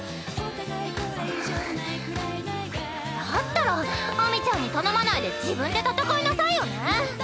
だったら秋水ちゃんに頼まないで自分で戦いなさいよね！